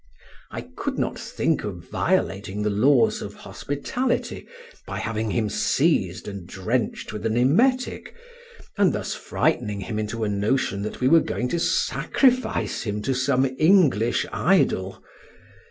I could not think of violating the laws of hospitality by having him seized and drenched with an emetic, and thus frightening him into a notion that we were going to sacrifice him to some English idol.